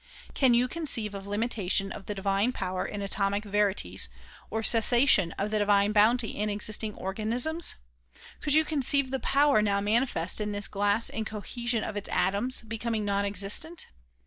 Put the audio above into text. Can you conceive of limitation of the divine power in atomic verities or cessation of the divine bounty in existing organ isms? Could you conceive the power now manifest in this glass in cohesion of its atoms, becoming non existent